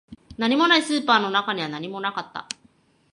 何もない、スーパーの中には何もなかった